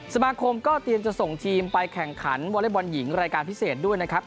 สมาคมก็เตรียมจะส่งทีมไปแข่งขันวอเล็กบอลหญิงรายการพิเศษด้วยนะครับ